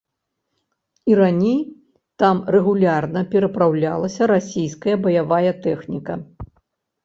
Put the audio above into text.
І раней там рэгулярна перапраўлялася расійская баявая тэхніка.